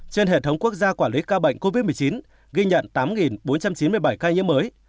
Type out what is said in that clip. trên hệ thống quốc gia quản lý ca bệnh covid một mươi chín ghi nhận tám bốn trăm chín mươi bảy ca nhiễm mới